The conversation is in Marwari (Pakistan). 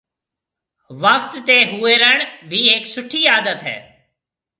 وقت تي هويرڻ بي هيَڪ سُٺِي عادت هيَ۔